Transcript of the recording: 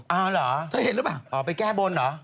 อ๋อเหรอไปแก้บนเหรอเธอเห็นหรือเปล่า